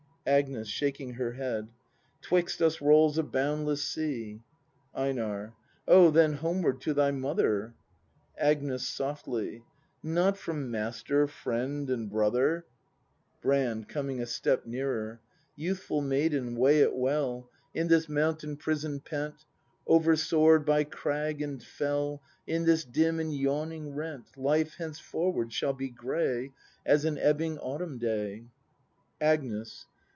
Agnes. [Shaking her head.] *Twixt us rolls a boundless sea. EiNAR. O, then homeward to thy mother! Agnes. [Softly.] Not from Master, Friend, and Brother. 100 BRAND [ACT II Brand. [Coming a step ?iearer.] Youthful maiden, weigh it well. In this mountain prison pent, Oversoar'd by crag and fell. In this dim and yawning rent, Life henceforward shall be gray As an ebbing autumn day. Agnes.